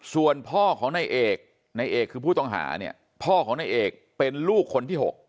ส่วนพ่อของนายเอกในเอกคือผู้ต้องหาเนี่ยพ่อของนายเอกเป็นลูกคนที่๖